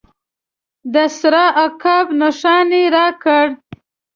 د سره عقاب نښان یې راکړ.